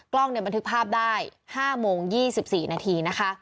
กล้องเนี่ยมันถึกภาพได้๕โมง๒๔นาทีนะคะ